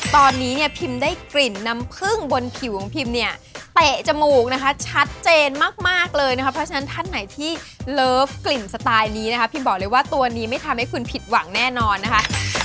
ตอนนี้เนี่ยพิมได้กลิ่นน้ำผึ้งบนผิวของพิมเนี่ยเตะจมูกนะคะชัดเจนมากเลยนะคะเพราะฉะนั้นท่านไหนที่เลิฟกลิ่นสไตล์นี้นะคะพิมบอกเลยว่าตัวนี้ไม่ทำให้คุณผิดหวังแน่นอนนะคะ